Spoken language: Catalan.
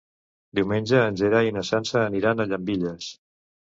Diumenge en Gerai i na Sança aniran a Llambilles.